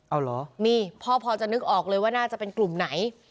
เอาเหรอนี่พ่อพอจะนึกออกเลยว่าน่าจะเป็นกลุ่มไหน